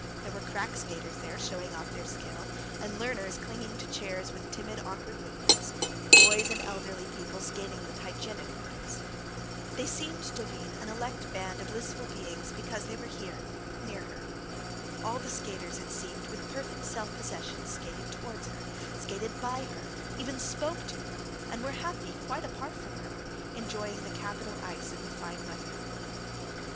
There were crack skaters there, showing off their skill, and learners clinging to chairs with timid, awkward movements, boys, and elderly people skating with hygienic motives. They seemed to Levin an elect band of blissful beings because they were here, near her. All the skaters, it seemed, with perfect self possession, skated towards her, skated by her, even spoke to her, and were happy, quite apart from her, enjoying the capital ice and the fine weather.